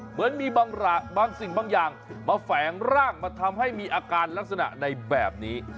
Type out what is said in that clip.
เหมือนมีบางสิ่งบางอย่างมาแฝงร่างมาทำให้มีอาการลักษณะในแบบนี้